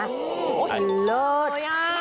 โอ้โฮเลิศ